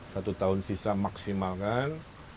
satu tahun sisa maksimal kan